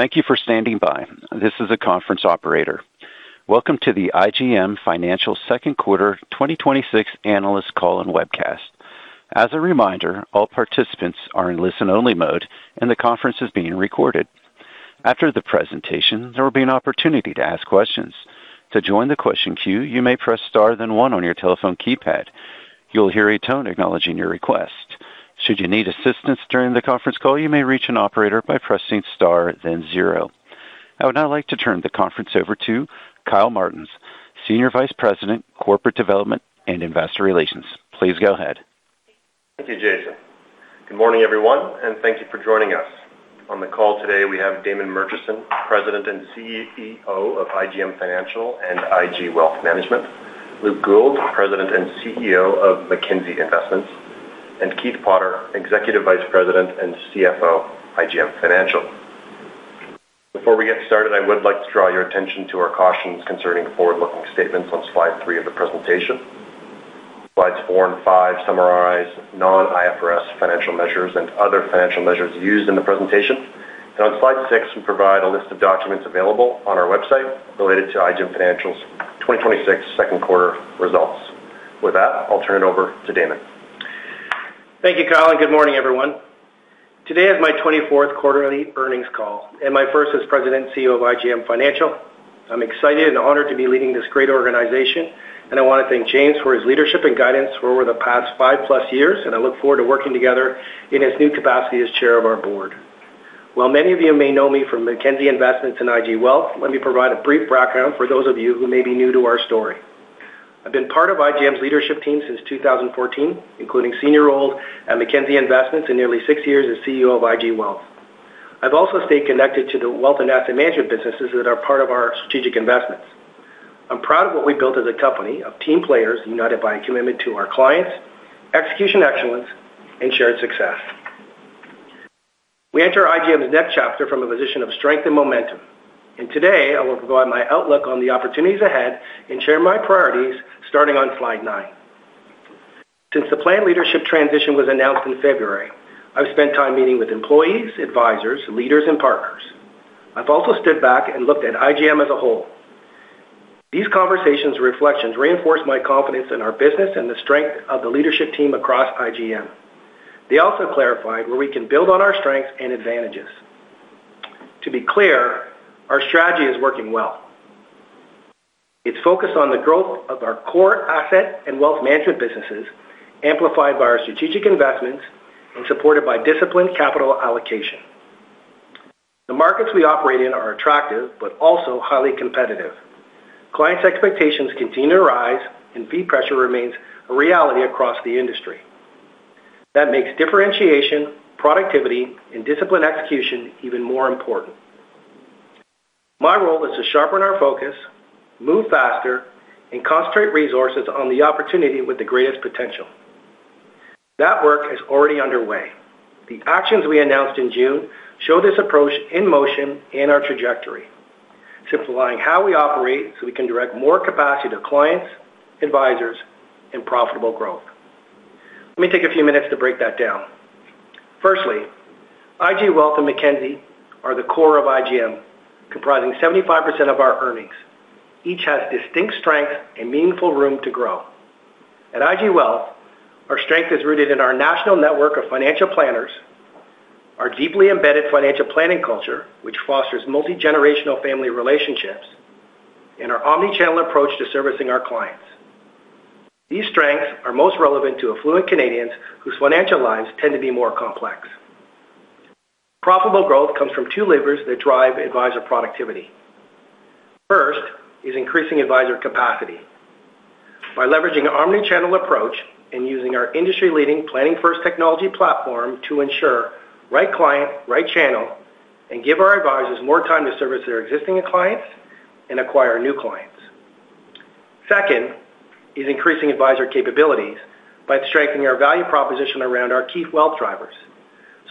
Thank you for standing by. This is the conference operator. Welcome to the IGM Financial Second Quarter 2026 analyst call and webcast. As a reminder, all participants are in listen only mode and the conference is being recorded. After the presentation, there will be an opportunity to ask questions. To join the question queue, you may press star then one on your telephone keypad. You'll hear a tone acknowledging your request. Should you need assistance during the conference call, you may reach an operator by pressing star then zero. I would now like to turn the conference over to Kyle Martens, Senior Vice President, Corporate Development and Investor Relations. Please go ahead. Thank you, Jason. Good morning, everyone, and thank you for joining us. On the call today, we have Damon Murchison, President and CEO of IGM Financial and IG Wealth Management; Luke Gould, President and CEO of Mackenzie Investments; and Keith Potter, Executive Vice President and CFO, IGM Financial. Before we get started, I would like to draw your attention to our cautions concerning forward-looking statements on slide three of the presentation. Slides four and five summarize non-IFRS financial measures and other financial measures used in the presentation. On slide six, we provide a list of documents available on our website related to IGM Financial's 2026 second quarter results. With that, I'll turn it over to Damon. Thank you, Kyle, and good morning, everyone. Today is my 24th quarterly earnings call and my first as President and CEO of IGM Financial. I'm excited and honored to be leading this great organization. I want to thank James for his leadership and guidance over the past five-plus years. I look forward to working together in his new capacity as chair of our board. While many of you may know me from Mackenzie Investments and IG Wealth, let me provide a brief background for those of you who may be new to our story. I've been part of IGM's leadership team since 2014, including senior roles at Mackenzie Investments and nearly six years as CEO of IG Wealth. I've also stayed connected to the wealth and asset management businesses that are part of our strategic investments. I'm proud of what we've built as a company of team players united by a commitment to our clients, execution excellence, and shared success. We enter IGM's next chapter from a position of strength and momentum. Today, I will provide my outlook on the opportunities ahead and share my priorities, starting on slide nine. Since the planned leadership transition was announced in February, I've spent time meeting with employees, advisors, leaders, and partners. I've also stood back and looked at IGM as a whole. These conversations and reflections reinforce my confidence in our business and the strength of the leadership team across IGM. They also clarified where we can build on our strengths and advantages. To be clear, our strategy is working well. It's focused on the growth of our core asset and wealth management businesses, amplified by our strategic investments and supported by disciplined capital allocation. The markets we operate in are attractive but also highly competitive. Clients' expectations continue to rise and fee pressure remains a reality across the industry. That makes differentiation, productivity, and disciplined execution even more important. My role is to sharpen our focus, move faster, and concentrate resources on the opportunity with the greatest potential. That work is already underway. The actions we announced in June show this approach in motion and our trajectory, simplifying how we operate so we can direct more capacity to clients, advisors, and profitable growth. Let me take a few minutes to break that down. Firstly, IG Wealth and Mackenzie are the core of IGM, comprising 75% of our earnings. Each has distinct strengths and meaningful room to grow. At IG Wealth, our strength is rooted in our national network of financial planners, our deeply embedded financial planning culture, which fosters multi-generational family relationships, and our omni-channel approach to servicing our clients. These strengths are most relevant to affluent Canadians whose financial lives tend to be more complex. Profitable growth comes from two levers that drive advisor productivity. First is increasing advisor capacity by leveraging our omni-channel approach and using our industry-leading Planning First technology platform to ensure right client, right channel, and give our advisors more time to service their existing clients and acquire new clients. Second is increasing advisor capabilities by strengthening our value proposition around our key wealth drivers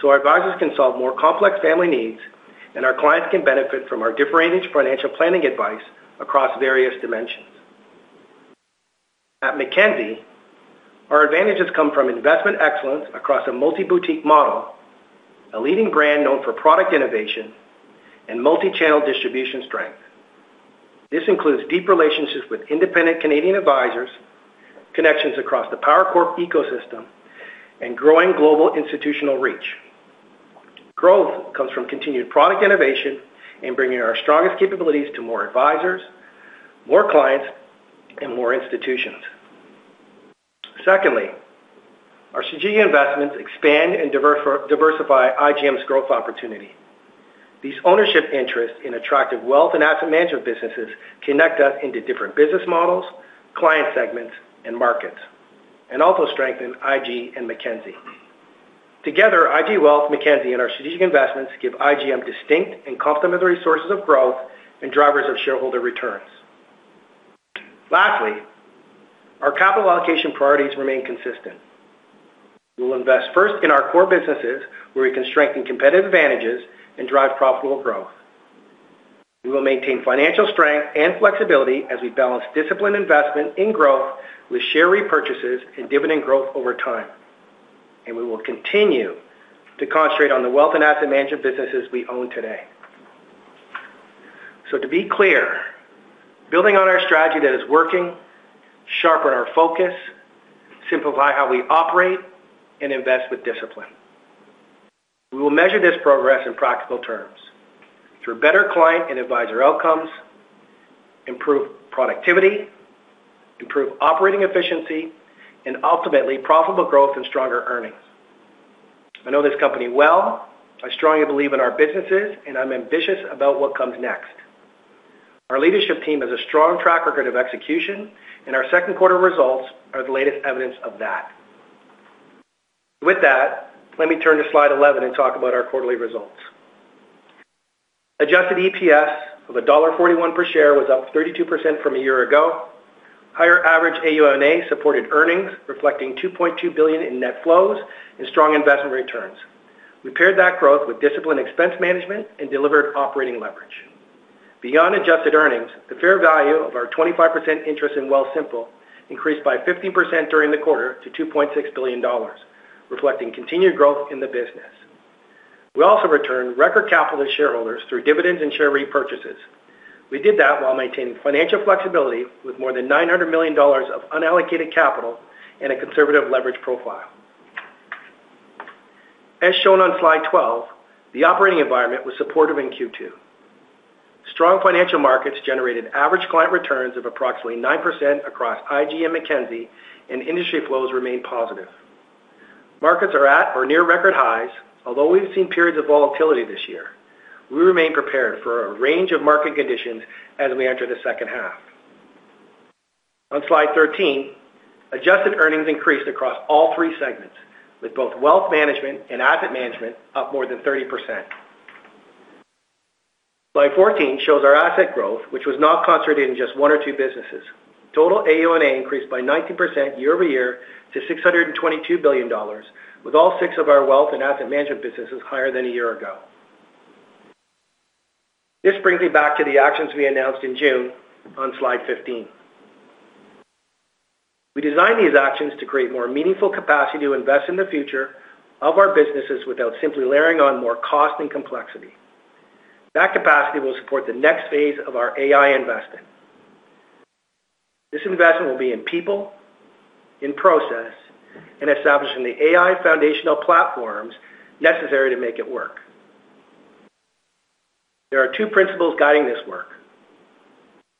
so our advisors can solve more complex family needs and our clients can benefit from our differentiated financial planning advice across various dimensions. At Mackenzie, our advantages come from investment excellence across a multi-boutique model, a leading brand known for product innovation, and multi-channel distribution strength. This includes deep relationships with independent Canadian advisors, connections across the Power Corp. ecosystem, and growing global institutional reach. Growth comes from continued product innovation and bringing our strongest capabilities to more advisors, more clients, and more institutions. Secondly, our strategic investments expand and diversify IGM's growth opportunity. These ownership interests in attractive wealth and asset management businesses connect us into different business models, client segments, and markets, and also strengthen IG and Mackenzie. Together, IG Wealth, Mackenzie, and our strategic investments give IGM distinct and complementary sources of growth and drivers of shareholder returns. Lastly, our capital allocation priorities remain consistent. We'll invest first in our core businesses where we can strengthen competitive advantages and drive profitable growth. We will maintain financial strength and flexibility as we balance disciplined investment in growth with share repurchases and dividend growth over time. We will continue to concentrate on the wealth and asset management businesses we own today. To be clear, building on our strategy that is working, sharpen our focus, simplify how we operate, and invest with discipline. We will measure this progress in practical terms through better client and advisor outcomes, improved productivity, improved operating efficiency, and ultimately profitable growth and stronger earnings. I know this company well. I strongly believe in our businesses, and I'm ambitious about what comes next. Our leadership team has a strong track record of execution, and our second quarter results are the latest evidence of that. With that, let me turn to slide 11 and talk about our quarterly results. Adjusted EPS of dollar 1.41 per share was up 32% from a year ago. Higher average AUMA supported earnings reflecting 2.2 billion in net flows and strong investment returns. We paired that growth with disciplined expense management and delivered operating leverage. Beyond adjusted earnings, the fair value of our 25% interest in Wealthsimple increased by 15% during the quarter to 2.6 billion dollars, reflecting continued growth in the business. We also returned record capital to shareholders through dividends and share repurchases. We did that while maintaining financial flexibility with more than 900 million dollars of unallocated capital and a conservative leverage profile. As shown on slide 12, the operating environment was supportive in Q2. Strong financial markets generated average client returns of approximately 9% across IG and Mackenzie, and industry flows remain positive. Markets are at or near record highs, although we've seen periods of volatility this year. We remain prepared for a range of market conditions as we enter the second half. On slide 13, adjusted earnings increased across all three segments, with both wealth management and asset management up more than 30%. Slide 14 shows our asset growth, which was not concentrated in just one or two businesses. Total AUMA increased by 19% year-over-year to 622 billion dollars, with all six of our wealth and asset management businesses higher than a year ago. This brings me back to the actions we announced in June on slide 15. We designed these actions to create more meaningful capacity to invest in the future of our businesses without simply layering on more cost and complexity. That capacity will support the next phase of our AI investment. This investment will be in people, in process, and establishing the AI foundational platforms necessary to make it work. There are two principles guiding this work: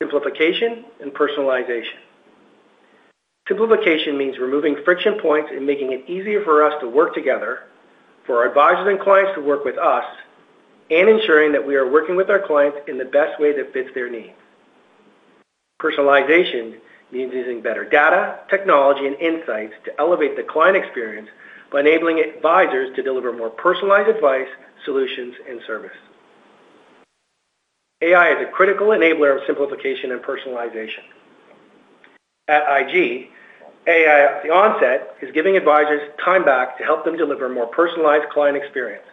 simplification and personalization. Simplification means removing friction points and making it easier for us to work together, for our advisors and clients to work with us, and ensuring that we are working with our clients in the best way that fits their needs. Personalization means using better data, technology, and insights to elevate the client experience by enabling advisors to deliver more personalized advice, solutions, and service. AI is a critical enabler of simplification and personalization. At IG, AI at the onset is giving advisors time back to help them deliver a more personalized client experience.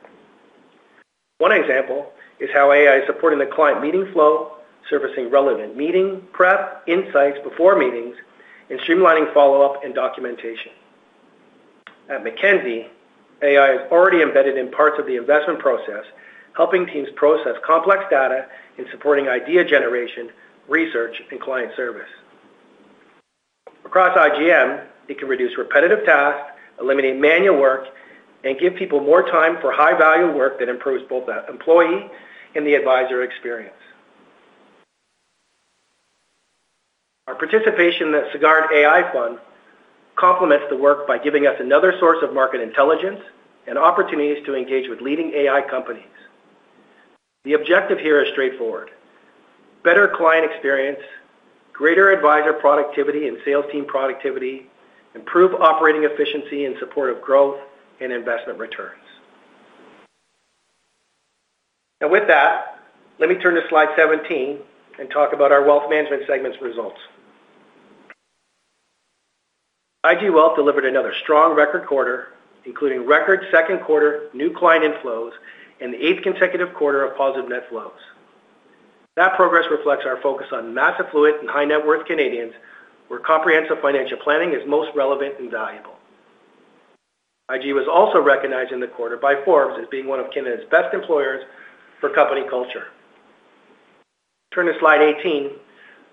One example is how AI is supporting the client meeting flow, surfacing relevant meeting prep insights before meetings, and streamlining follow-up and documentation. At Mackenzie, AI is already embedded in parts of the investment process, helping teams process complex data and supporting idea generation, research, and client service. Across IGM, it can reduce repetitive tasks, eliminate manual work, and give people more time for high-value work that improves both the employee and the advisor experience. Our participation in the Sagard AI Fund complements the work by giving us another source of market intelligence and opportunities to engage with leading AI companies. The objective here is straightforward. Better client experience, greater advisor productivity and sales team productivity, improved operating efficiency in support of growth and investment returns. Now, with that, let me turn to slide 17 and talk about our wealth management segment's results. IG Wealth delivered another strong record quarter, including record second quarter new client inflows and the eighth consecutive quarter of positive net flows. That progress reflects our focus on mass affluent and high-net-worth Canadians, where comprehensive financial planning is most relevant and valuable. IG was also recognized in the quarter by Forbes as being one of Canada's best employers for company culture. Turn to slide 18.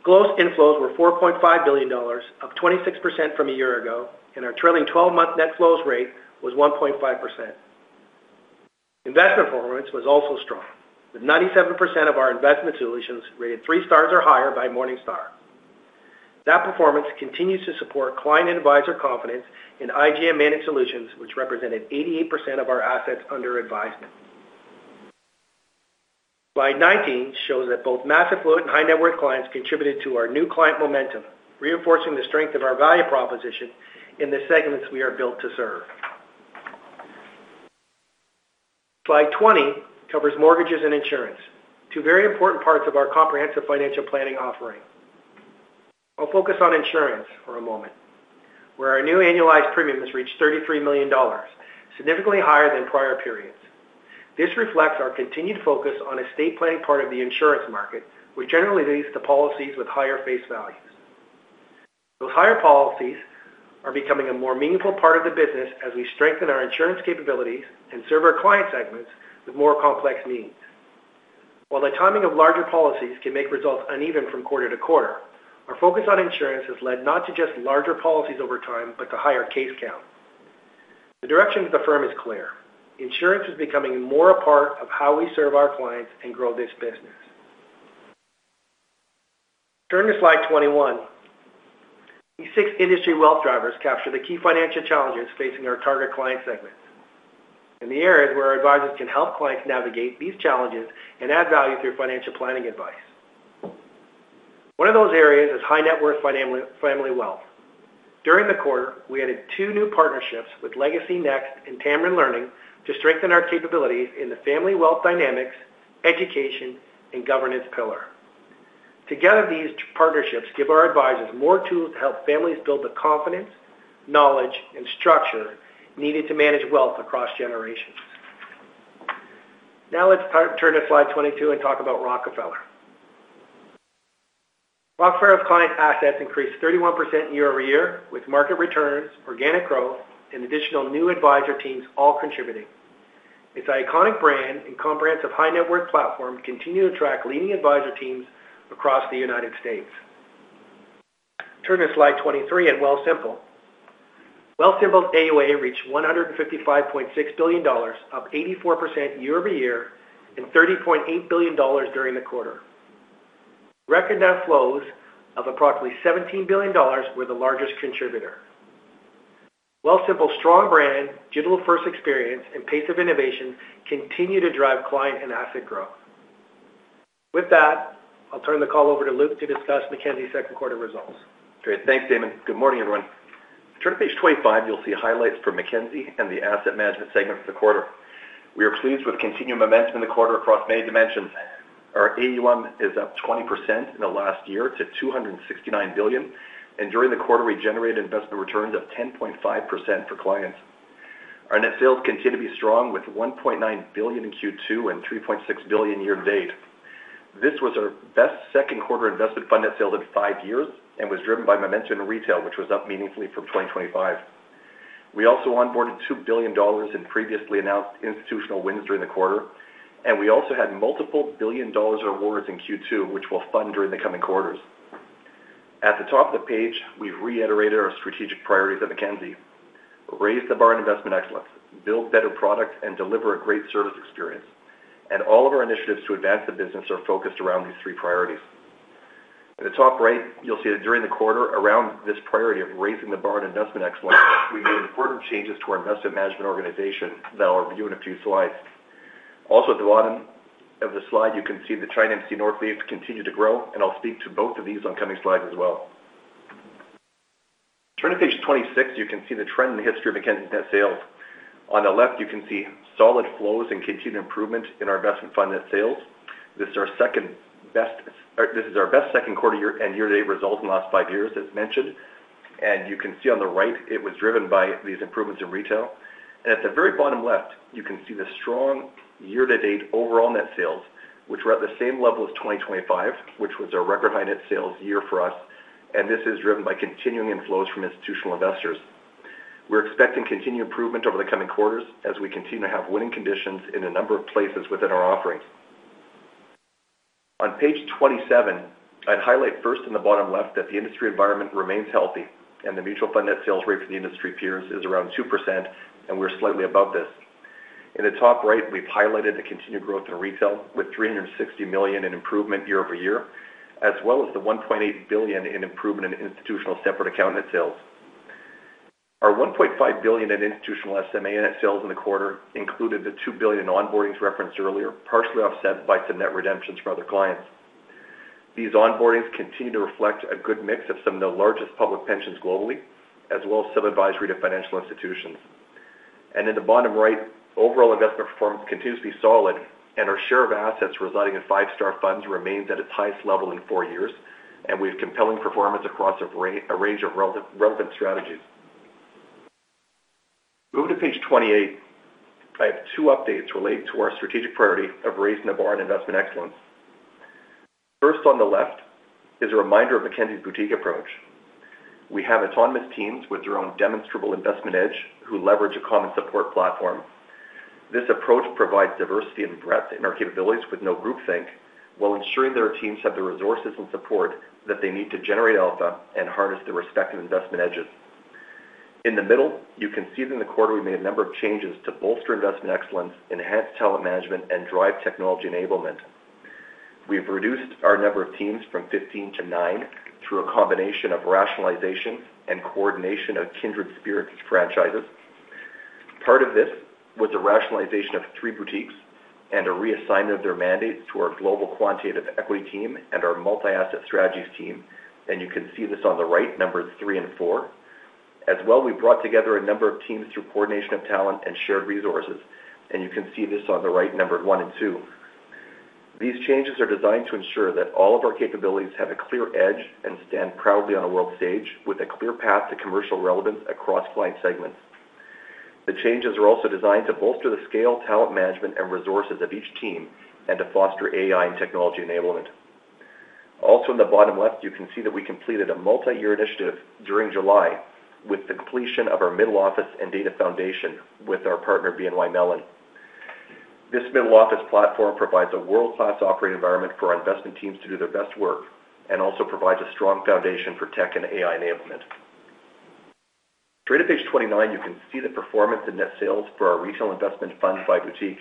Gross inflows were 4.5 billion dollars, up 26% from a year ago, and our trailing 12-month net flows rate was 1.5%. Investment performance was also strong, with 97% of our investment solutions rated three stars or higher by Morningstar. That performance continues to support client and advisor confidence in IGM managed solutions, which represented 88% of our assets under advisement. Slide 19 shows that both mass affluent and high-net-worth clients contributed to our new client momentum, reinforcing the strength of our value proposition in the segments we are built to serve. Slide 20 covers mortgages and insurance, two very important parts of our comprehensive financial planning offering. I'll focus on insurance for a moment, where our new annualized premium has reached 33 million dollars, significantly higher than prior periods. This reflects our continued focus on estate planning part of the insurance market, which generally leads to policies with higher face values. Those higher policies are becoming a more meaningful part of the business as we strengthen our insurance capabilities and serve our client segments with more complex needs. While the timing of larger policies can make results uneven from quarter to quarter, our focus on insurance has led not to just larger policies over time, but to higher case count. The direction of the firm is clear. Insurance is becoming more a part of how we serve our clients and grow this business. Turn to slide 21. These six industry wealth drivers capture the key financial challenges facing our target client segments, and the areas where our advisors can help clients navigate these challenges and add value through financial planning advice. One of those areas is high-net-worth family wealth. During the quarter, we added two new partnerships with Next Legacy and Tamarind Learning to strengthen our capabilities in the family wealth dynamics, education, and governance pillar. Together, these partnerships give our advisors more tools to help families build the confidence, knowledge, and structure needed to manage wealth across generations. Now let's turn to slide 22 and talk about Rockefeller. Rockefeller's client assets increased 31% year-over-year with market returns, organic growth, and additional new advisor teams all contributing. Its iconic brand and comprehensive high-net-worth platform continue to attract leading advisor teams across the U.S. Turn to slide 23 at Wealthsimple. Wealthsimple AUA reached 155.6 billion dollars, up 84% year-over-year, and 30.8 billion dollars during the quarter. Record net flows of approximately 17 billion dollars were the largest contributor. Wealthsimple's strong brand, digital first experience, and pace of innovation continue to drive client and asset growth. With that, I'll turn the call over to Luke to discuss Mackenzie's second quarter results. Great. Thanks, Damon. Good morning, everyone. If you turn to page 25, you'll see highlights for Mackenzie and the asset management segment for the quarter. We are pleased with continued momentum in the quarter across many dimensions. Our AUM is up 20% in the last year to 269 billion, and during the quarter, we generated investment returns of 10.5% for clients. Our net sales continue to be strong, with 1.9 billion in Q2 and 3.6 billion year to date. This was our best second quarter investment fund net sales in five years and was driven by momentum in retail, which was up meaningfully from 2025. We also onboarded 2 billion dollars in previously announced institutional wins during the quarter, and we also had multiple billion dollars of awards in Q2, which we'll fund during the coming quarters. At the top of the page, we've reiterated our strategic priorities at Mackenzie. Raise the bar in investment excellence, build better products, and deliver a great service experience. All of our initiatives to advance the business are focused around these three priorities. At the top right, you'll see that during the quarter, around this priority of raising the bar in investment excellence, we made important changes to our investment management organization that I'll review in a few slides. Also, at the bottom of the slide, you can see that ChinaAMC and Northleaf continue to grow, and I'll speak to both of these on coming slides as well. Turn to page 26. You can see the trend in the history of Mackenzie's net sales. On the left, you can see solid flows and continued improvement in our investment fund net sales. This is our best second quarter year and year to date results in the last five years, as mentioned. You can see on the right, it was driven by these improvements in retail. At the very bottom left, you can see the strong year to date overall net sales, which were at the same level as 2025, which was a record high net sales year for us, and this is driven by continuing inflows from institutional investors. We're expecting continued improvement over the coming quarters as we continue to have winning conditions in a number of places within our offerings. On page 27, I'd highlight first in the bottom left that the industry environment remains healthy and the mutual fund net sales rate for the industry peers is around 2%, and we're slightly above this. In the top right, we've highlighted the continued growth in retail with 360 million in improvement year-over-year, as well as the 1.8 billion in improvement in institutional separate account net sales. Our 1.5 billion in institutional SMA net sales in the quarter included the 2 billion in onboardings referenced earlier, partially offset by some net redemptions from other clients. These onboardings continue to reflect a good mix of some of the largest public pensions globally, as well as some advisory to financial institutions. In the bottom right, overall investment performance continues to be solid, and our share of assets residing in five-star funds remains at its highest level in four years, and we have compelling performance across a range of relevant strategies. Moving to page 28, I have two updates related to our strategic priority of raising the bar in investment excellence. First, on the left is a reminder of Mackenzie's boutique approach. We have autonomous teams with their own demonstrable investment edge who leverage a common support platform. This approach provides diversity and breadth in our capabilities with no groupthink while ensuring that our teams have the resources and support that they need to generate alpha and harness their respective investment edges. In the middle, you can see that in the quarter, we made a number of changes to bolster investment excellence, enhance talent management, and drive technology enablement. We've reduced our number of teams from 15 to nine through a combination of rationalization and coordination of kindred spirits franchises. Part of this was a rationalization of three boutiques and a reassignment of their mandates to our global quantitative equity team and our multi-asset strategies team. You can see this on the right, numbers three and four. We brought together a number of teams through coordination of talent and shared resources, and you can see this on the right, numbered one and two. These changes are designed to ensure that all of our capabilities have a clear edge and stand proudly on a world stage with a clear path to commercial relevance across client segments. The changes are also designed to bolster the scale, talent management, and resources of each team, and to foster AI and technology enablement. In the bottom left, you can see that we completed a multi-year initiative during July with the completion of our middle office and data foundation with our partner, BNY Mellon. This middle office platform provides a world-class operating environment for our investment teams to do their best work, and also provides a strong foundation for tech and AI enablement. Turning to page 29, you can see the performance in net sales for our retail investment fund by boutique.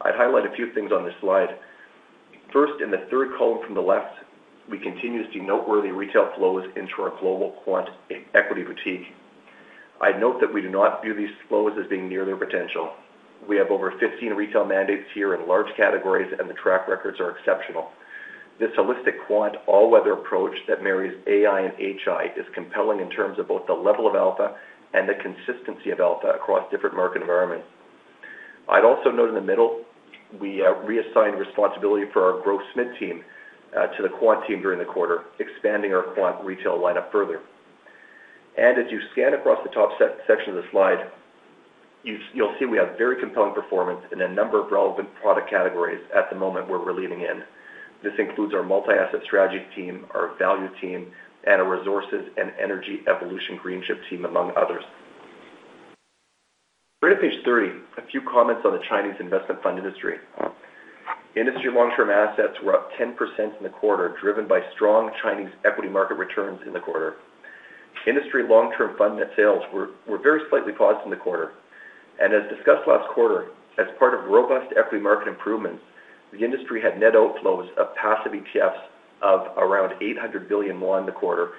I'd highlight a few things on this slide. First, in the third column from the left, we continue to see noteworthy retail flows into our global quant equity boutique. I'd note that we do not view these flows as being near their potential. We have over 15 retail mandates here in large categories, and the track records are exceptional. This holistic quant all-weather approach that marries AI and HI is compelling in terms of both the level of alpha and the consistency of alpha across different market environments. I'd also note in the middle, we reassigned responsibility for our growth SMID team to the quant team during the quarter, expanding our quant retail lineup further. As you scan across the top section of the slide, you'll see we have very compelling performance in a number of relevant product categories at the moment where we're leaning in. This includes our multi-asset strategy team, our value team, and our resources and energy evolution Greenchip team, among others. Turning to page 30, a few comments on the Chinese investment fund industry. Industry long-term assets were up 10% in the quarter, driven by strong Chinese equity market returns in the quarter. Industry long-term fund net sales were very slightly paused in the quarter. As discussed last quarter, as part of robust equity market improvements, the industry had net outflows of passive ETFs of around CNY 800 billion in the quarter,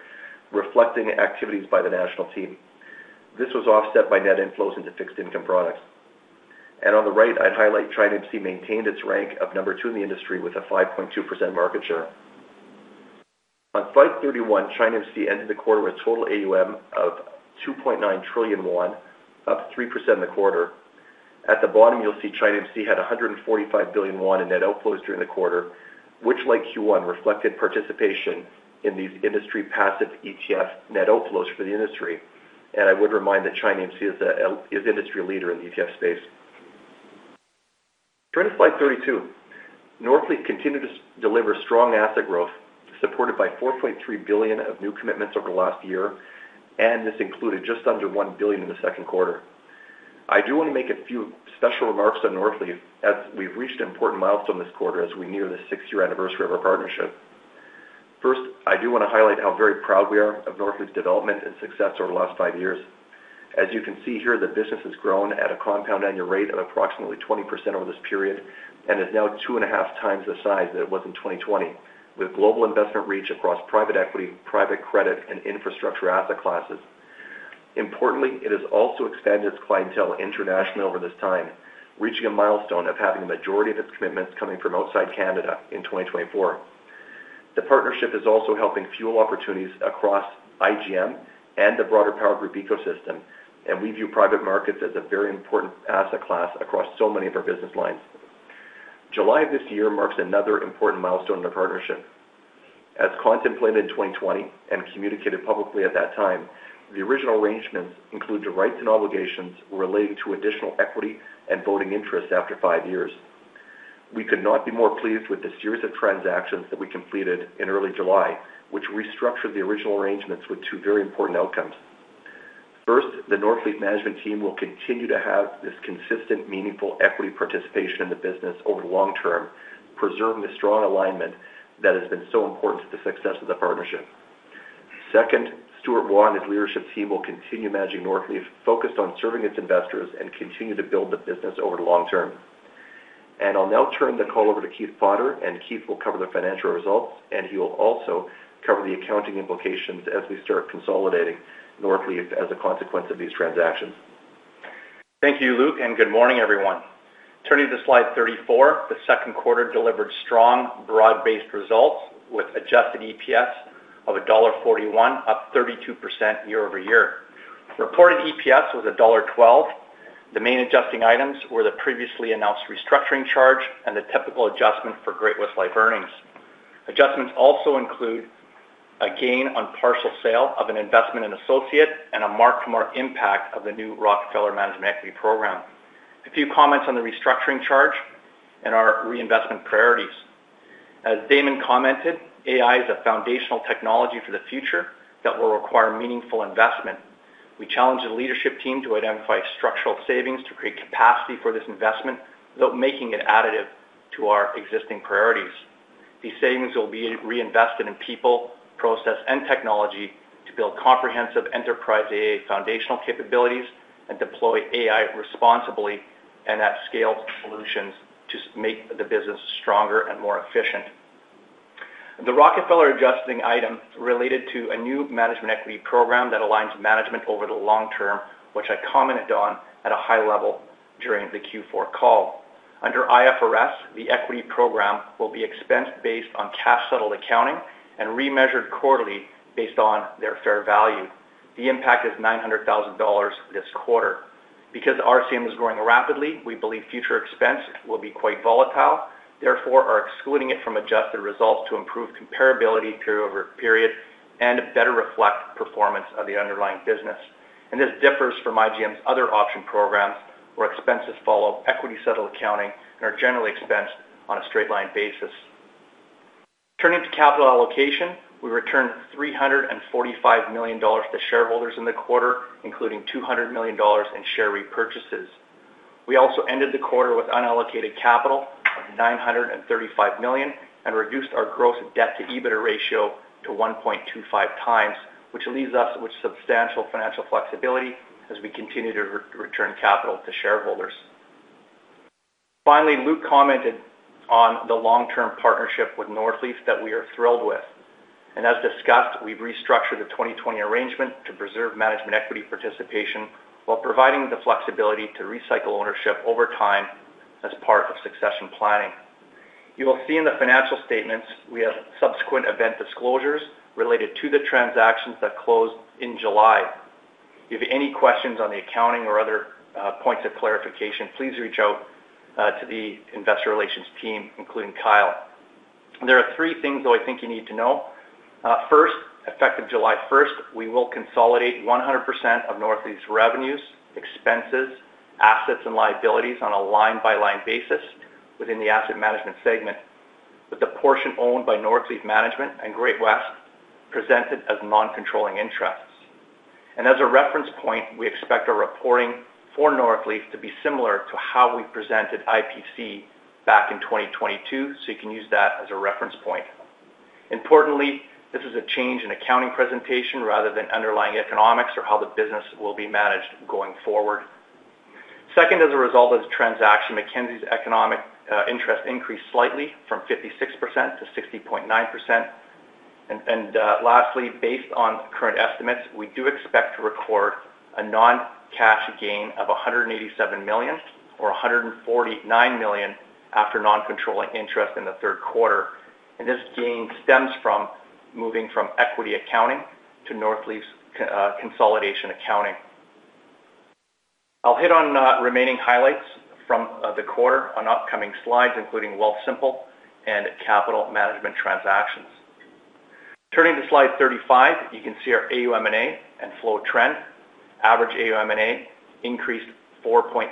reflecting activities by the national team. This was offset by net inflows into fixed income products. On the right, I'd highlight ChinaAMC maintained its rank of number two in the industry with a 5.2% market share. On slide 31, ChinaAMC ended the quarter with total AUM of CNY 2.9 trillion, up 3% in the quarter. At the bottom, you'll see ChinaAMC had CNY 145 billion in net outflows during the quarter, which like Q1, reflected participation in these industry passive ETF net outflows for the industry. I would remind that ChinaAMC is industry leader in the ETF space. Turning to slide 32, Northleaf continued to deliver strong asset growth, supported by 4.3 billion of new commitments over the last year, and this included just under 1 billion in the second quarter. I do want to make a few special remarks on Northleaf as we've reached an important milestone this quarter as we near the six-year anniversary of our partnership. First, I do want to highlight how very proud we are of Northleaf's development and success over the last five years. As you can see here, the business has grown at a compound annual rate of approximately 20% over this period, and is now 2.5x. The size that it was in 2020, with global investment reach across private equity, private credit, and infrastructure asset classes. Importantly, it has also expanded its clientele internationally over this time, reaching a milestone of having a majority of its commitments coming from outside Canada in 2024. The partnership is also helping fuel opportunities across IGM and the broader Power Group ecosystem, and we view private markets as a very important asset class across so many of our business lines. July of this year marks another important milestone in our partnership. As contemplated in 2020 and communicated publicly at that time, the original arrangements include the rights and obligations relating to additional equity and voting interests after five years. We could not be more pleased with the series of transactions that we completed in early July, which restructured the original arrangements with two very important outcomes. First, the Northleaf management team will continue to have this consistent, meaningful equity participation in the business over the long term, preserving the strong alignment that has been so important to the success of the partnership. Second, Stuart Vaughan and his leadership team will continue managing Northleaf, focused on serving its investors and continue to build the business over the long term. I'll now turn the call over to Keith Potter. Keith will cover the financial results. He will also cover the accounting implications as we start consolidating Northleaf as a consequence of these transactions. Thank you, Luke, and good morning, everyone. Turning to slide 34, the second quarter delivered strong broad-based results with adjusted EPS of dollar 1.41, up 32% year-over-year. Reported EPS was dollar 1.12. The main adjusting items were the previously announced restructuring charge and the typical adjustment for Great-West Life earnings. Adjustments also include a gain on partial sale of an investment in associate and a mark-to-market impact of the new Rockefeller management equity program. A few comments on the restructuring charge and our reinvestment priorities. As Damon commented, AI is a foundational technology for the future that will require meaningful investment. We challenged the leadership team to identify structural savings to create capacity for this investment without making it additive to our existing priorities. These savings will be reinvested in people, process, and technology to build comprehensive enterprise AI foundational capabilities and deploy AI responsibly and at scale solutions to make the business stronger and more efficient. The Rockefeller adjusting item related to a new management equity program that aligns management over the long term, which I commented on at a high level during the Q4 call. Under IFRS, the equity program will be expensed based on cash-settled accounting and remeasured quarterly based on their fair value. The impact is 900,000 dollars this quarter. Because RCM is growing rapidly, we believe future expense will be quite volatile. Therefore, are excluding it from adjusted results to improve comparability period-over-period and better reflect performance of the underlying business. This differs from IGM's other option programs, where expenses follow equity settled accounting and are generally expensed on a straight line basis. Turning to capital allocation, we returned 345 million dollars to shareholders in the quarter, including 200 million dollars in share repurchases. We also ended the quarter with unallocated capital of 935 million and reduced our gross debt to EBITDA ratio to 1.25x, which leaves us with substantial financial flexibility as we continue to return capital to shareholders. Finally, Luke commented on the long-term partnership with Northleaf that we are thrilled with. As discussed, we've restructured the 2020 arrangement to preserve management equity participation while providing the flexibility to recycle ownership over time as part of succession planning. You will see in the financial statements, we have subsequent event disclosures related to the transactions that closed in July. If you have any questions on the accounting or other points of clarification, please reach out to the investor relations team, including Kyle. There are three things, though, I think you need to know. First, effective July 1st, we will consolidate 100% of Northleaf's revenues, expenses, assets, and liabilities on a line-by-line basis within the asset management segment, with the portion owned by Northleaf Management and Great-West presented as non-controlling interests. As a reference point, we expect our reporting for Northleaf to be similar to how we presented IPC back in 2022. You can use that as a reference point. Importantly, this is a change in accounting presentation rather than underlying economics or how the business will be managed going forward. Second, as a result of the transaction, Mackenzie's economic interest increased slightly from 56%-60.9%. Lastly, based on current estimates, we do expect to record a non-cash gain of 187 million or 149 million after non-controlling interest in the third quarter. This gain stems from moving from equity accounting to Northleaf's consolidation accounting. I'll hit on remaining highlights from the quarter on upcoming slides, including Wealthsimple and capital management transactions. Turning to slide 35. You can see our AUM&A and flow trend. Average AUM&A increased 4.3%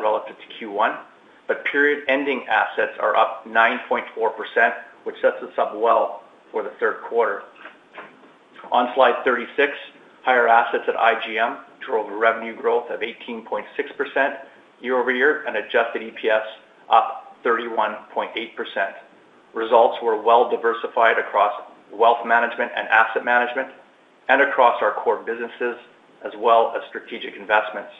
relative to Q1, but period-ending assets are up 9.4%, which sets us up well for the third quarter. On slide 36, higher assets at IGM drove revenue growth of 18.6% year-over-year and adjusted EPS up 31.8%. Results were well diversified across wealth management and asset management and across our core businesses as well as strategic investments.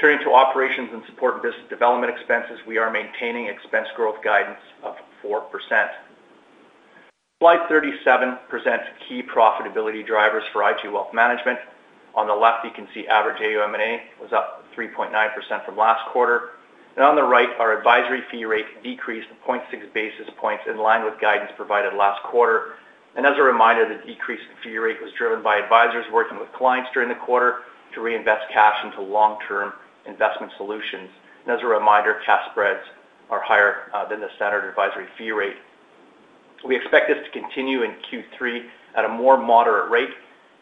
Turning to operations and support business development expenses, we are maintaining expense growth guidance of 4%. Slide 37 presents key profitability drivers for IG Wealth Management. On the left, you can see average AUM&A was up 3.9% from last quarter, on the right, our advisory fee rate decreased 0.6 basis points in line with guidance provided last quarter. As a reminder, the decrease in fee rate was driven by advisors working with clients during the quarter to reinvest cash into long-term investment solutions. As a reminder, cash spreads are higher than the standard advisory fee rate. We expect this to continue in Q3 at a more moderate rate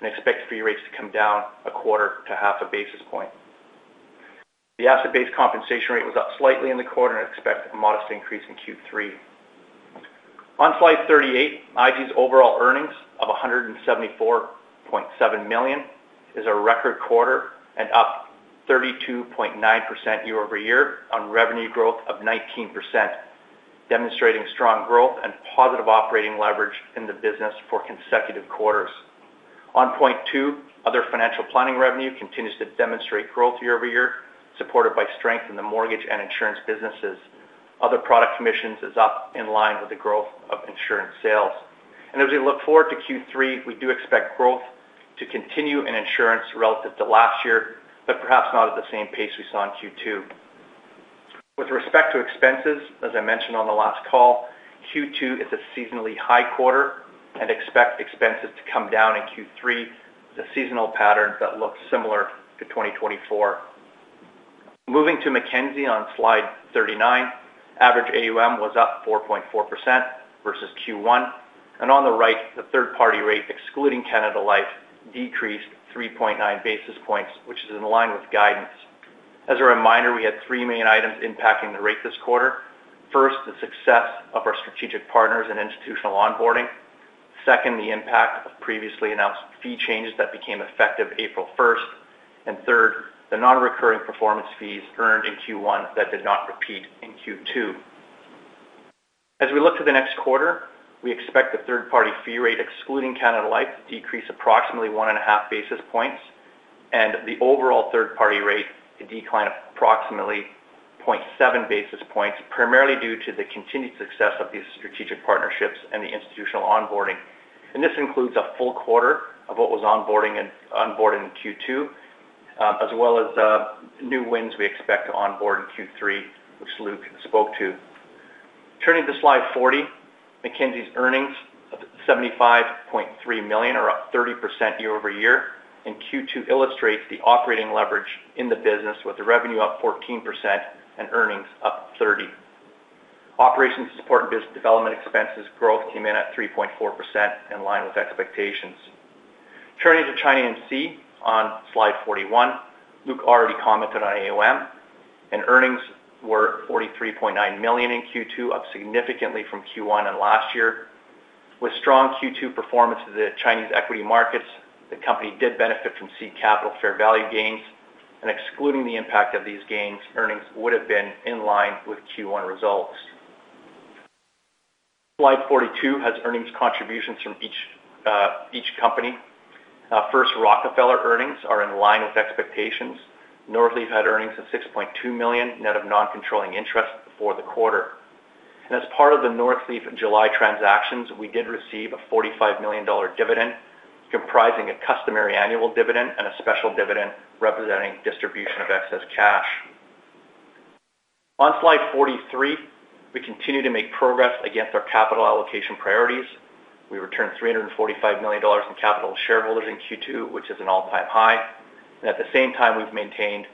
and expect fee rates to come down a quarter to half a basis point. The asset-based compensation rate was up slightly in the quarter and expect a modest increase in Q3. On slide 38, IG's overall earnings of 174.7 million is a record quarter and up 32.9% year-over-year on revenue growth of 19%, demonstrating strong growth and positive operating leverage in the business for consecutive quarters. On point two, other financial planning revenue continues to demonstrate growth year-over-year, supported by strength in the mortgage and insurance businesses. Other product commissions is up in line with the growth of insurance sales. As we look forward to Q3, we do expect growth to continue in insurance relative to last year, but perhaps not at the same pace we saw in Q2. With respect to expenses, as I mentioned on the last call, Q2 is a seasonally high quarter and expect expenses to come down in Q3 with a seasonal pattern that looks similar to 2024. Moving to Mackenzie on slide 39, average AUM was up 4.4% versus Q1. On the right, the third-party rate, excluding Canada Life, decreased 3.9 basis points, which is in line with guidance. As a reminder, we had three main items impacting the rate this quarter. First, the success of our strategic partners in institutional onboarding. Second, the impact of previously announced fee changes that became effective April 1st. Third, the non-recurring performance fees earned in Q1 that did not repeat in Q2. As we look to the next quarter, we expect the third-party fee rate, excluding Canada Life, to decrease approximately one and a half basis points and the overall third-party rate to decline approximately 0.7 basis points, primarily due to the continued success of these strategic partnerships and the institutional onboarding. This includes a full quarter of what was onboarded in Q2, as well as new wins we expect to onboard in Q3, which Luke spoke to. Turning to slide 40, Mackenzie's earnings of 75.3 million are up 30% year-over-year, Q2 illustrates the operating leverage in the business with the revenue up 14% and earnings up 30%. Operations support and business development expenses growth came in at 3.4%, in line with expectations. Turning to ChinaAMC on slide 41, Luke already commented on AUM, earnings were 43.9 million in Q2, up significantly from Q1 and last year. With strong Q2 performance of the Chinese equity markets, the company did benefit from ChinaAMC capital fair value gains, excluding the impact of these gains, earnings would have been in line with Q1 results. Slide 42 has earnings contributions from each company. First Rockefeller earnings are in line with expectations. Northleaf had earnings of 6.2 million net of non-controlling interest for the quarter. As part of the Northleaf July transactions, we did receive a 45 million dollar dividend comprising a customary annual dividend and a special dividend representing distribution of excess cash. On slide 43, we continue to make progress against our capital allocation priorities. We returned 345 million dollars in capital to shareholders in Q2, which is an all-time high. At the same time, we've maintained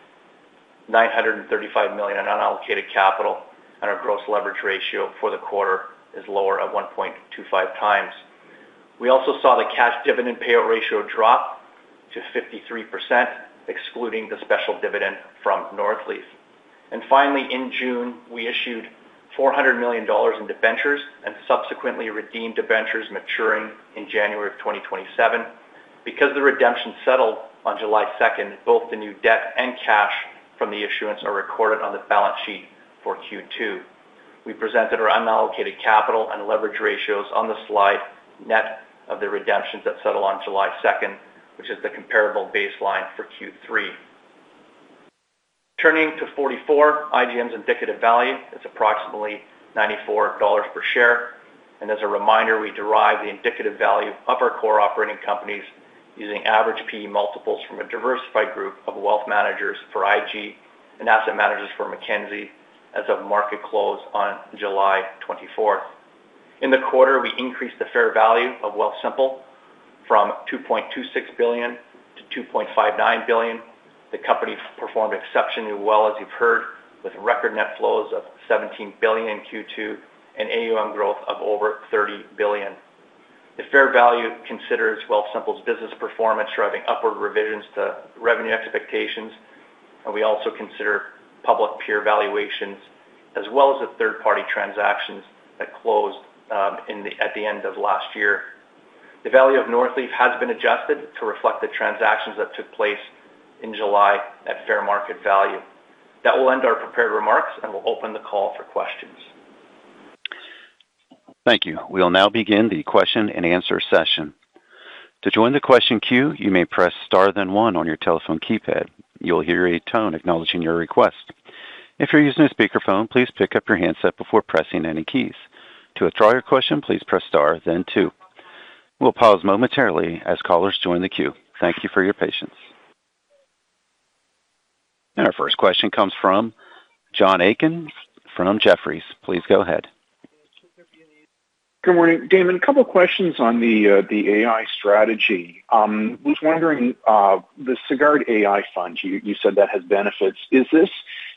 935 million in unallocated capital, our gross leverage ratio for the quarter is lower at 1.25x. We also saw the cash dividend payout ratio drop to 53%, excluding the special dividend from Northleaf. Finally, in June, we issued 400 million dollars in debentures and subsequently redeemed debentures maturing in January of 2027. Because the redemption settled on July 2nd, both the new debt and cash from the issuance are recorded on the balance sheet for Q2. We presented our unallocated capital and leverage ratios on the slide net of the redemptions that settle on July 2nd, which is the comparable baseline for Q3. Turning to 44, IGM's indicative value is approximately 94 dollars per share. As a reminder, we derive the indicative value of our core operating companies using average P/E multiples from a diversified group of wealth managers for IG and asset managers for Mackenzie as of market close on July 24th. In the quarter, we increased the fair value of Wealthsimple from 2.26 billion-2.59 billion. The company performed exceptionally well, as you've heard, with record net flows of 17 billion in Q2 and AUM growth of over 30 billion. The fair value considers Wealthsimple's business performance, driving upward revisions to revenue expectations. We also consider public peer valuations as well as the third-party transactions that closed at the end of last year. The value of Northleaf has been adjusted to reflect the transactions that took place in July at fair market value. That will end our prepared remarks, we'll open the call for questions. Thank you. We will now begin the question and answer session. To join the question queue, you may press star then one on your telephone keypad. You will hear a tone acknowledging your request. If you are using a speakerphone, please pick up your handset before pressing any keys. To withdraw your question, please press star then two. We will pause momentarily as callers join the queue. Thank you for your patience. Our first question comes from John Aiken from Jefferies. Please go ahead. Good morning. Damon, a couple questions on the AI strategy. Was wondering, the Sagard AI Fund, you said that has benefits. Is this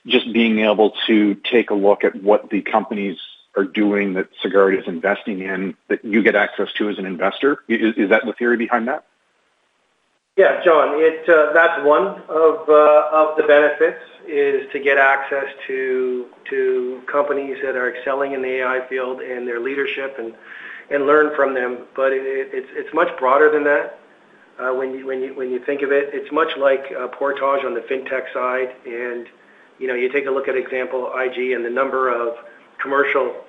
just being able to take a look at what the companies are doing that Sagard is investing in that you get access to as an investor? Is that the theory behind that? Yeah, John, that's one of the benefits, is to get access to companies that are excelling in the AI field and their leadership and learn from them. It's much broader than that when you think of it. It's much like Portage on the fintech side. You take a look at example IG and the number of commercial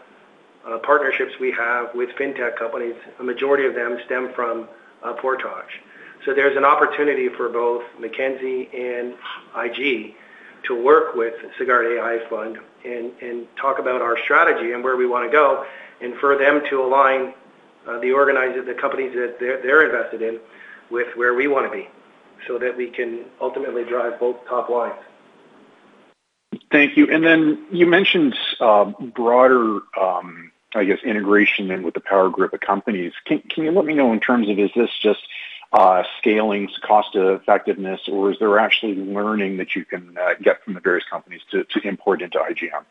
partnerships we have with fintech companies, a majority of them stem from Portage. There's an opportunity for both Mackenzie and IG to work with Sagard AI Fund and talk about our strategy and where we want to go and for them to align the companies that they are invested in with where we want to be so that we can ultimately drive both top lines. Thank you. You mentioned broader, I guess, integration in with the Power Corp of companies. Can you let me know in terms of is this just scalings cost effectiveness or is there actually learning that you can get from the various companies to import into IGM?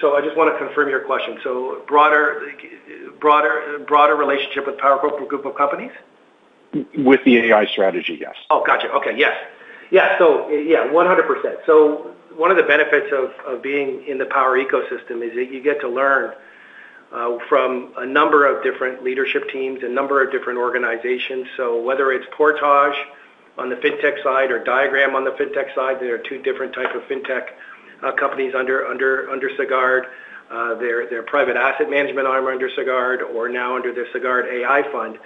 I just want to confirm your question. Broader relationship with Power Corp group of companies? With the AI strategy, yes. Yeah, 100%. One of the benefits of being in the Power ecosystem is that you get to learn from a number of different leadership teams, a number of different organizations. Whether it's Portage on the fintech side or Diagram on the fintech side, they are two different types of fintech companies under Sagard. Their private asset management arm under Sagard or now under their Sagard AI Fund,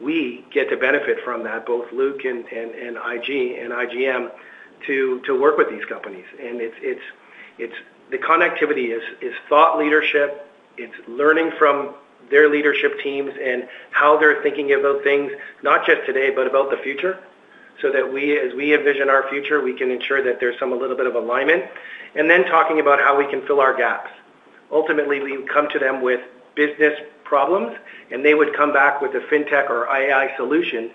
we get to benefit from that, both Luke and IG and IGM to work with these companies. The connectivity is thought leadership, it's learning from their leadership teams and how they're thinking about things, not just today, but about the future. That as we envision our future, we can ensure that there's some little bit of alignment, talking about how we can fill our gaps. Ultimately, we come to them with business problems, they would come back with a fintech or AI solution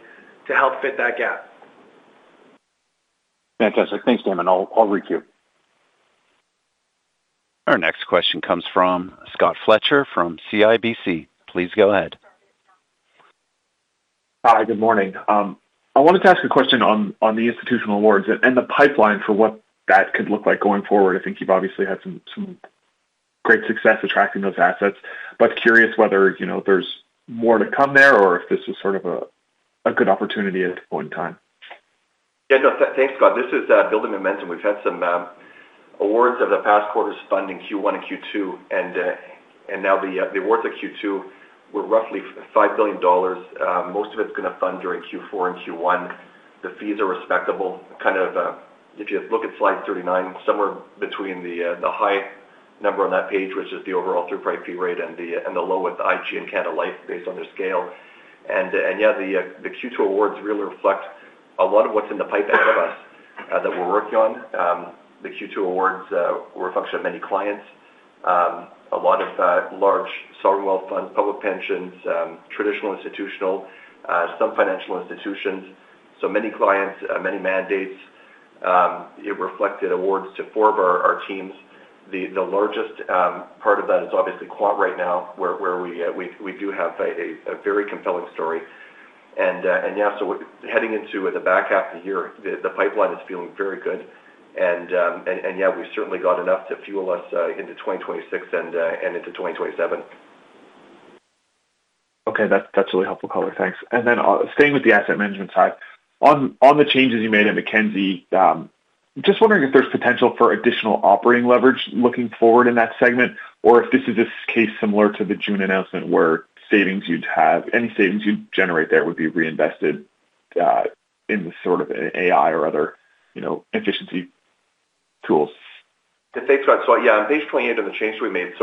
to help fit that gap. Fantastic. Thanks, Damon. I will route you. Our next question comes from Scott Fletcher from CIBC. Please go ahead. Hi, good morning. I wanted to ask a question on the institutional awards and the pipeline for what that could look like going forward. I think you have obviously had some great success attracting those assets, curious whether there is more to come there or if this is sort of a good opportunity at this point in time. Yeah. No. Thanks, Scott. This is building momentum. We have had some awards over the past quarters funding Q1 and Q2, and now the awards at Q2 were roughly 5 billion dollars. Most of it is going to fund during Q4 and Q1. The fees are respectable. If you look at slide 39, somewhere between the high number on that page, which is the overall throughput fee rate and the low with IG and Canada Life based on their scale. Yeah, the Q2 awards really reflect a lot of what is in the pipeline for us that we are working on. The Q2 awards were a function of many clients. A lot of large sovereign wealth funds, public pensions, traditional institutional, some financial institutions. Many clients, many mandates. It reflected awards to four of our teams. The largest part of that is obviously Quant right now, where we do have a very compelling story. Heading into the back half of the year, the pipeline is feeling very good. We've certainly got enough to fuel us into 2026 and into 2027. Okay. That's really helpful color. Thanks. Staying with the asset management side, on the changes you made at Mackenzie, just wondering if there's potential for additional operating leverage looking forward in that segment, or if this is a case similar to the June announcement where any savings you'd generate there would be reinvested in the sort of AI or other efficiency tools. Yeah. On page 28 on the changes we made.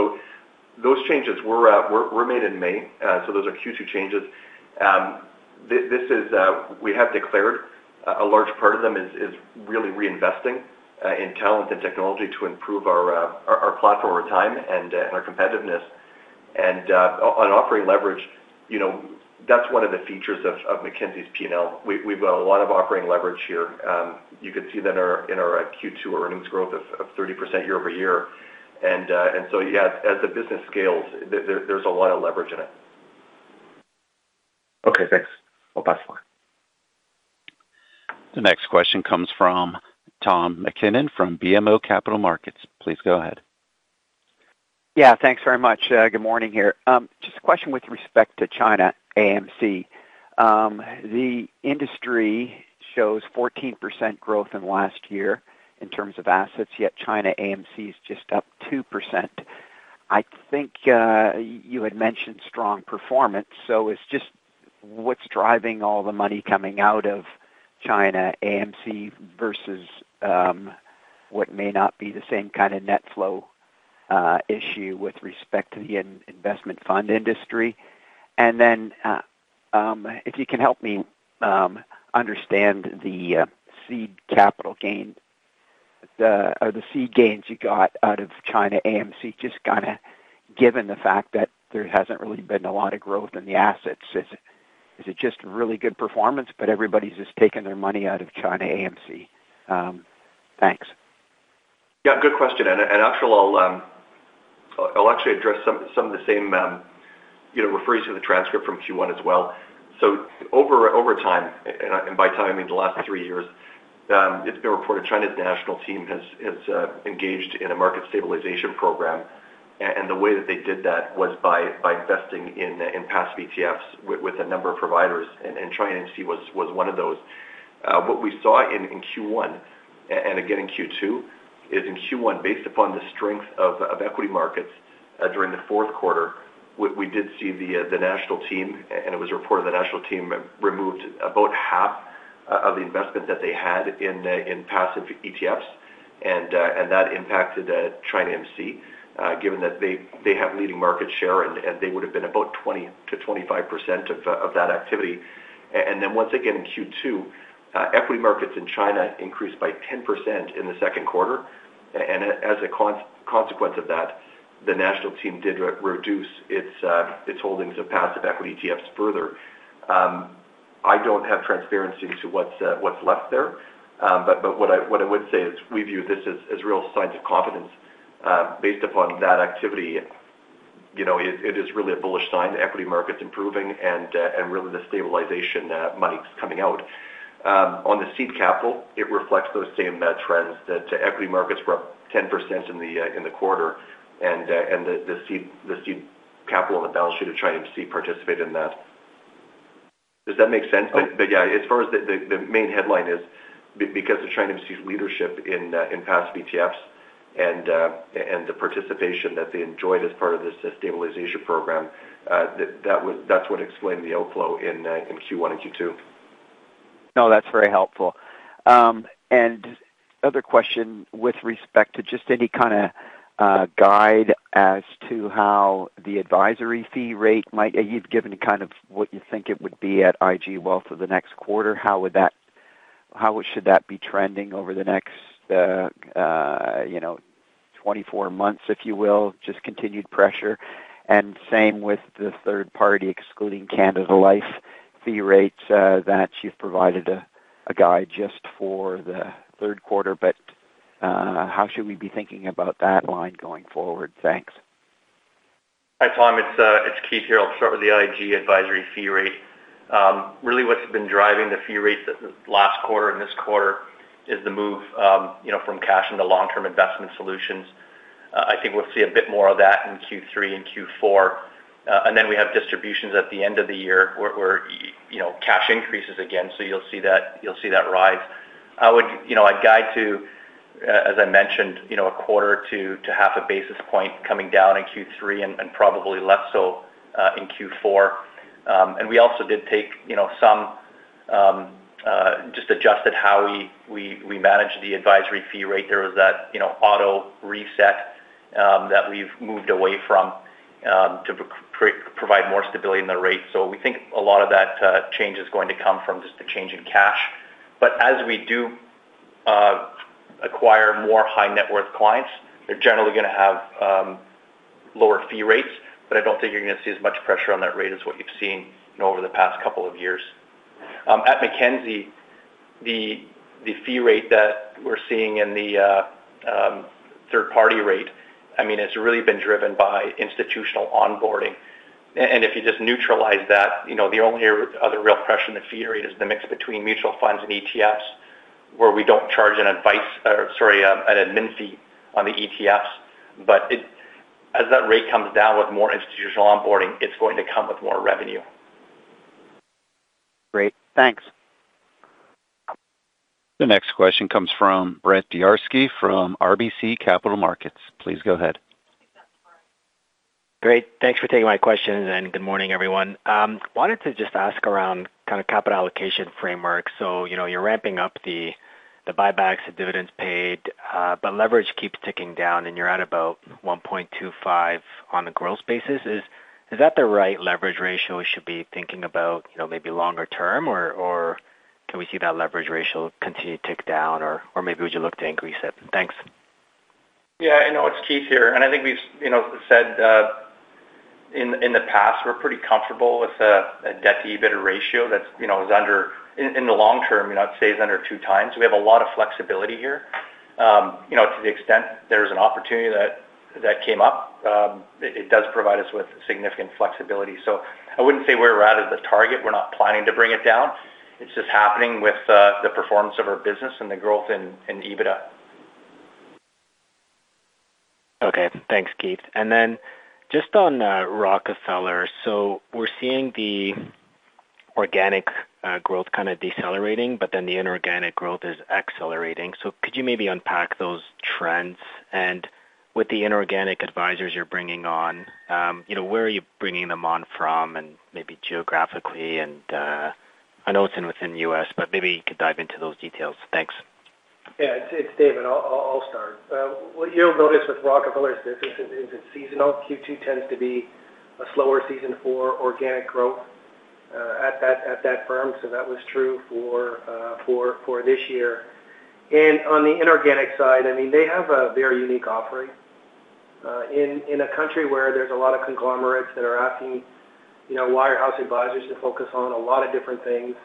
Those changes were made in May, those are Q2 changes. We have declared a large part of them is really reinvesting in talent and technology to improve our platform over time and our competitiveness. On operating leverage, that's one of the features of Mackenzie's P&L. We've got a lot of operating leverage here. You could see that in our Q2 earnings growth of 30% year-over-year. As the business scales, there's a lot of leverage in it. Okay, thanks. I'll pass the line. The next question comes from Tom MacKinnon from BMO Capital Markets. Please go ahead. Yeah. Thanks very much. Good morning here. Just a question with respect to ChinaAMC. The industry shows 14% growth in last year in terms of assets, yet ChinaAMC is just up 2%. I think you had mentioned strong performance. It's just what's driving all the money coming out of ChinaAMC versus what may not be the same kind of net flow issue with respect to the investment fund industry. If you can help me understand the seed capital gain, or the seed gains you got out of ChinaAMC, just given the fact that there hasn't really been a lot of growth in the assets. Is it just really good performance, but everybody's just taken their money out of ChinaAMC? Thanks. Yeah, good question. Actually, I'll address some of the same, referring to the transcript from Q1 as well. Over time, and by time I mean the last 3 years, it's been reported China's national team has engaged in a market stabilization program, and the way that they did that was by investing in passive ETFs with a number of providers, and ChinaAMC was one of those. What we saw in Q1, and again in Q2, is in Q1, based upon the strength of equity markets during the fourth quarter, we did see the national team, and it was reported the national team removed about half of the investment that they had in passive ETFs, and that impacted ChinaAMC, given that they have leading market share, and they would've been about 20%-25% of that activity. Once again, in Q2, equity markets in China increased by 10% in the second quarter. As a consequence of that, the national team did reduce its holdings of passive equity ETFs further. I don't have transparency into what's left there. What I would say is we view this as real signs of confidence. Based upon that activity, it is really a bullish sign, the equity market's improving and really the stabilization money's coming out. On the seed capital, it reflects those same trends. The equity markets were up 10% in the quarter, and the seed capital on the balance sheet of ChinaAMC participated in that. Does that make sense? Okay. As far as the main headline is because of ChinaAMC's leadership in passive ETFs and the participation that they enjoyed as part of this stabilization program, that's what explained the outflow in Q1 and Q2. No, that's very helpful. Other question with respect to just any kind of guide as to how the advisory fee rate. You've given kind of what you think it would be at IG Wealth for the next quarter. How should that be trending over the next 24 months, if you will? Just continued pressure? Same with the third party excluding Canada Life fee rates, that you've provided a guide just for the third quarter, but how should we be thinking about that line going forward? Thanks. Hi, Tom. It's Keith here. I'll start with the IG advisory fee rate. Really what's been driving the fee rate last quarter and this quarter is the move from cash into long-term investment solutions. I think we'll see a bit more of that in Q3 and Q4. Then we have distributions at the end of the year where cash increases again. You'll see that rise. I'd guide to, as I mentioned, a quarter to half a basis point coming down in Q3 and probably less so in Q4. We also did take. Just adjusted how we manage the advisory fee rate. There was that auto reset that we've moved away from to provide more stability in the rate. We think a lot of that change is going to come from just a change in cash. As we do acquire more high-net-worth clients, they're generally going to have lower fee rates, but I don't think you're going to see as much pressure on that rate as what you've seen over the past couple of years. At Mackenzie, the fee rate that we're seeing in the third-party rate, it's really been driven by institutional onboarding. If you just neutralize that, the only other real pressure in the fee rate is the mix between mutual funds and ETFs, where we don't charge an admin fee on the ETFs. As that rate comes down with more institutional onboarding, it's going to come with more revenue. Great. Thanks. The next question comes from Bart Dziarski from RBC Capital Markets. Please go ahead. Great. Thanks for taking my questions and good morning, everyone. Wanted to just ask around kind of capital allocation framework. You're ramping up the buybacks and dividends paid, but leverage keeps ticking down and you're at about 1.25 on the gross basis. Is that the right leverage ratio we should be thinking about maybe longer term, or can we see that leverage ratio continue to tick down or maybe would you look to increase it? Thanks. Yeah, it's Keith here. I think we've said in the past, we're pretty comfortable with a debt-to-EBITDA ratio that in the long term, stays under two times. We have a lot of flexibility here. To the extent there's an opportunity that came up, it does provide us with significant flexibility. I wouldn't say we're at the target. We're not planning to bring it down. It's just happening with the performance of our business and the growth in EBITDA. Okay. Thanks, Keith. Just on Rockefeller. We're seeing the organic growth kind of decelerating, the inorganic growth is accelerating. Could you maybe unpack those trends? With the inorganic advisors you're bringing on, where are you bringing them on from, and maybe geographically, and I know it's within U.S., but maybe you could dive into those details. Thanks. Yeah. It's Damon. I'll start. What you'll notice with Rockefeller is it's seasonal. Q2 tends to be a slower season for organic growth at that firm. That was true for this year. On the inorganic side, they have a very unique offering. In a country where there's a lot of conglomerates that are asking wire house advisors to focus on a lot of different things,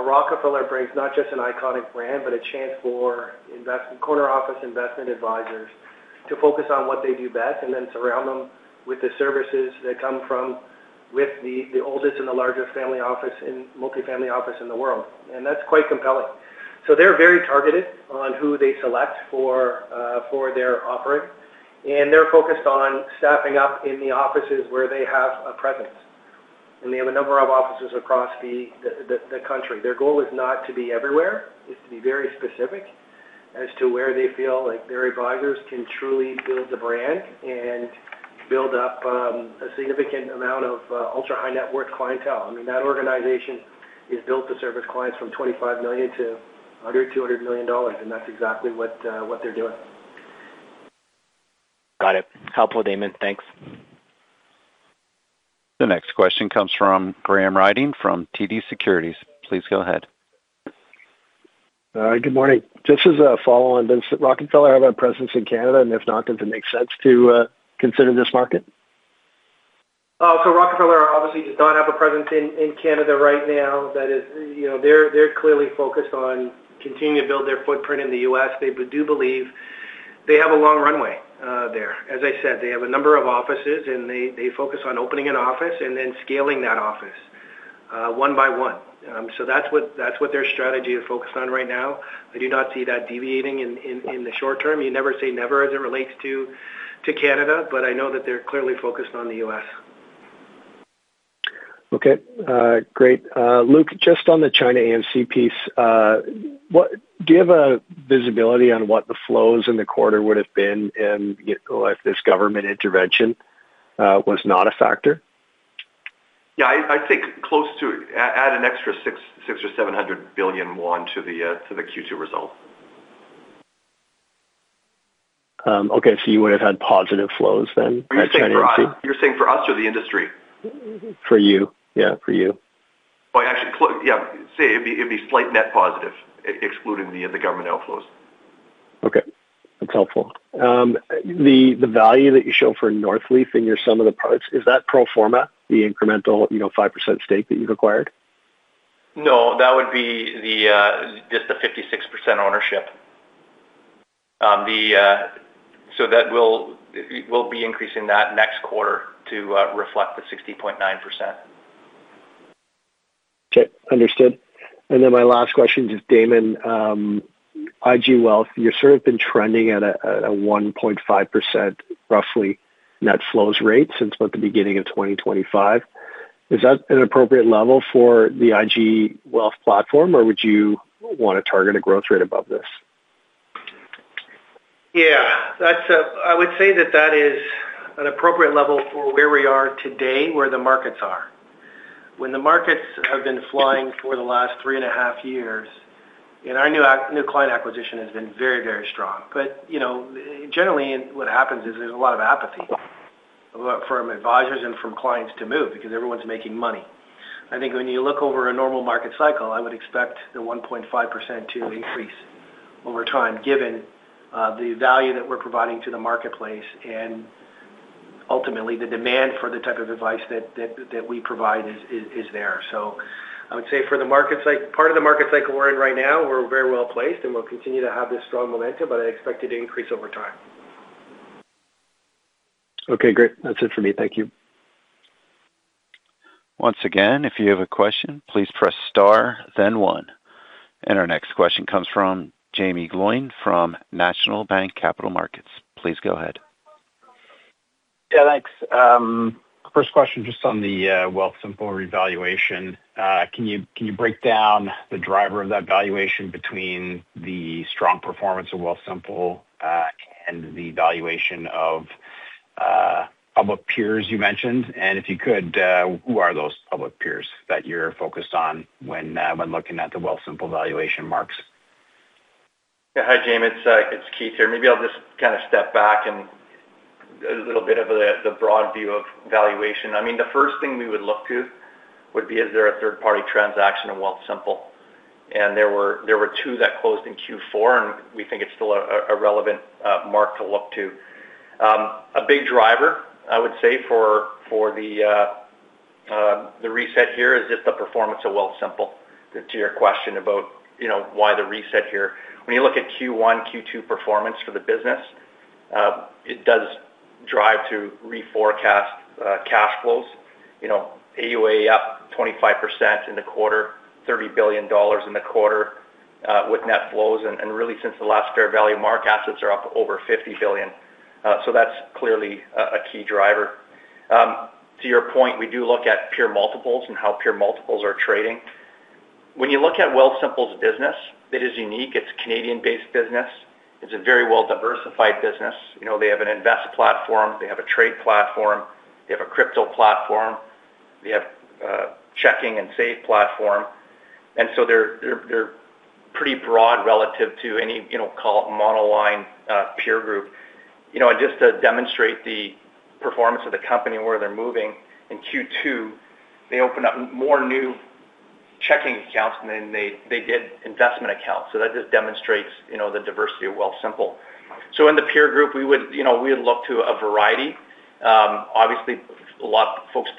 Rockefeller brings not just an iconic brand, but a chance for corner office investment advisors to focus on what they do best and then surround them with the services that come from with the oldest and the largest family office in multi-family office in the world. That's quite compelling. They're very targeted on who they select for their offering, and they're focused on staffing up in the offices where they have a presence. They have a number of offices across the country. Their goal is not to be everywhere. It's to be very specific as to where they feel like their advisors can truly build the brand and build up a significant amount of ultra-high-net-worth clientele. That organization is built to service clients from $25 million to $100 or $200 million. That's exactly what they're doing. Got it. Helpful, Damon. Thanks. The next question comes from Graham Ryding from TD Securities. Please go ahead. All right. Good morning. Just as a follow on, does Rockefeller have a presence in Canada? If not, does it make sense to consider this market? Rockefeller obviously does not have a presence in Canada right now. They're clearly focused on continuing to build their footprint in the U.S. They do believe they have a long runway there. As I said, they have a number of offices, and they focus on opening an office and then scaling that office one by one. That's what their strategy is focused on right now. I do not see that deviating in the short term. You never say never as it relates to Canada, I know that they're clearly focused on the U.S. Okay. Great. Luke, just on the ChinaAMC piece, do you have a visibility on what the flows in the quarter would have been if this government intervention was not a factor? Yeah, I think close to add an extra 600 or 700 billion yuan to the Q2 result. Okay, you would have had positive flows then at ChinaAMC? You're saying for us or the industry? For you. Yeah, for you. Well, actually, yeah. Say it'd be slight net positive excluding the government outflows. Okay. That's helpful. The value that you show for Northleaf in your sum of the parts, is that pro forma, the incremental 5% stake that you've acquired? No, that would be just the 56% ownership. That we'll be increasing that next quarter to reflect the 60.9%. Okay, understood. My last question, just Damon, IG Wealth, you sort of been trending at a 1.5% roughly net flows rate since about the beginning of 2025. Is that an appropriate level for the IG Wealth platform, or would you want to target a growth rate above this? Yeah. I would say that that is an appropriate level for where we are today, where the markets are. When the markets have been flying for the last 3.5 years, and our new client acquisition has been very, very strong. Generally, what happens is there's a lot of apathy from advisors and from clients to move because everyone's making money. I think when you look over a normal market cycle, I would expect the 1.5% to increase over time given the value that we're providing to the marketplace and ultimately the demand for the type of advice that we provide is there. I would say part of the market cycle we're in right now, we're very well-placed, and we'll continue to have this strong momentum, but I expect it to increase over time. Okay, great. That's it for me. Thank you. Once again, if you have a question, please press star one. Our next question comes from Jaeme Gloyn from National Bank Capital Markets. Please go ahead. Yeah, thanks. First question, just on the Wealthsimple revaluation. Can you break down the driver of that valuation between the strong performance of Wealthsimple, and the valuation of public peers you mentioned? If you could, who are those public peers that you're focused on when looking at the Wealthsimple valuation marks? Yeah. Hi, Jaeme. It's Keith here. Maybe I'll just kind of step back and a little bit of the broad view of valuation. The first thing we would look to would be, is there a third-party transaction in Wealthsimple? There were two that closed in Q4, and we think it's still a relevant mark to look to. A big driver, I would say, for the reset here is just the performance of Wealthsimple to your question about why the reset here. When you look at Q1, Q2 performance for the business, it does drive to reforecast cash flows, AUA up 25% in the quarter, 30 billion dollars in the quarter with net flows. Really since the last fair value mark, assets are up over 50 billion. That's clearly a key driver. To your point, we do look at peer multiples and how peer multiples are trading. When you look at Wealthsimple's business, it is unique. It's a Canadian-based business. It's a very well-diversified business. They have an invest platform. They have a trade platform. They have a crypto platform. They have a checking and save platform. They're pretty broad relative to any model line peer group. Just to demonstrate the performance of the company and where they're moving, in Q2, they opened up more new checking accounts than they did investment accounts. That just demonstrates the diversity of Wealthsimple. In the peer group, we would look to a variety. Obviously, a lot folks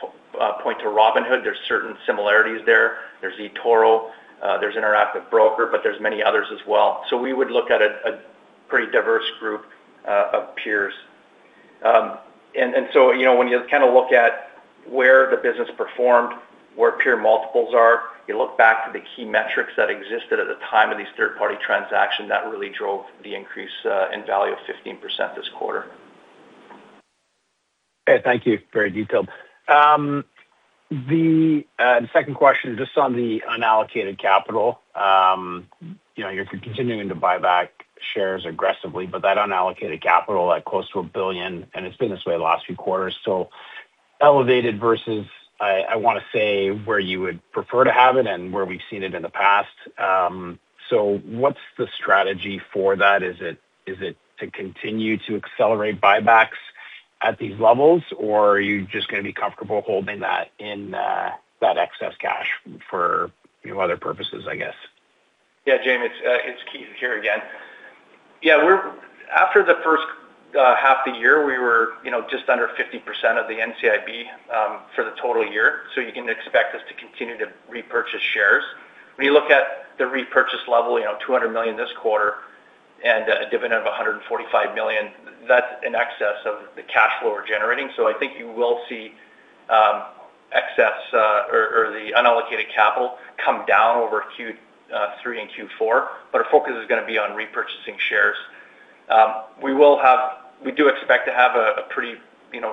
point to Robinhood. There's certain similarities there. There's eToro. There's Interactive Brokers, but there's many others as well. We would look at a pretty diverse group of peers. When you kind of look at where the business performed, where peer multiples are, you look back to the key metrics that existed at the time of these third-party transactions that really drove the increase in value of 15% this quarter. Okay, thank you. Very detailed. The second question, just on the unallocated capital. You're continuing to buy back shares aggressively, but that unallocated capital at close to 1 billion, and it's been this way the last few quarters. Elevated versus, I want to say, where you would prefer to have it and where we've seen it in the past. What's the strategy for that? Is it to continue to accelerate buybacks at these levels, or are you just going to be comfortable holding that in that excess cash for other purposes, I guess? Jaeme, it is Keith here again. After the first half of the year, we were just under 50% of the NCIB for the total year. You can expect us to continue to repurchase shares. When you look at the repurchase level, 200 million this quarter and a dividend of 145 million, that is in excess of the cash flow we are generating. I think you will see excess or the unallocated capital come down over Q3 and Q4, but our focus is going to be on repurchasing shares. We do expect to have a pretty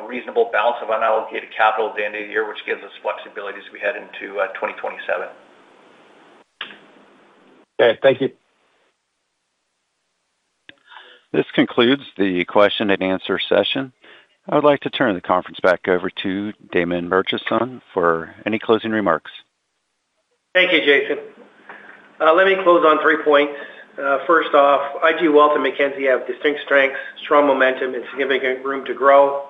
reasonable balance of unallocated capital at the end of the year, which gives us flexibility as we head into 2027. Okay, thank you. This concludes the question and answer session. I would like to turn the conference back over to Damon Murchison for any closing remarks. Thank you, Jason. Let me close on three points. First off, IG Wealth and Mackenzie have distinct strengths, strong momentum, and significant room to grow.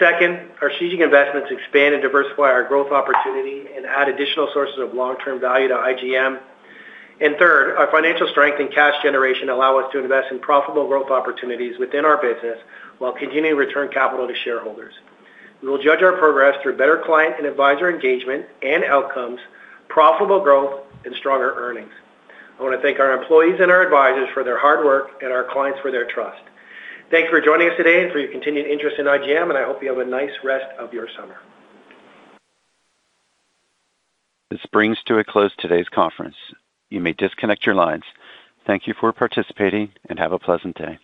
Second, our strategic investments expand and diversify our growth opportunity and add additional sources of long-term value to IGM. Third, our financial strength and cash generation allow us to invest in profitable growth opportunities within our business while continuing to return capital to shareholders. We will judge our progress through better client and advisor engagement and outcomes, profitable growth, and stronger earnings. I want to thank our employees and our advisors for their hard work and our clients for their trust. Thanks for joining us today and for your continued interest in IGM, I hope you have a nice rest of your summer. This brings to a close today's conference. You may disconnect your lines. Thank you for participating and have a pleasant day.